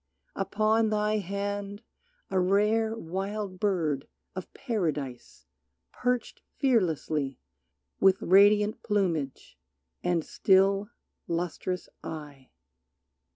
Upon thy hand a rare Wild bird of Paradise perched fearlessly With radiant plumage and still, lustrous eye.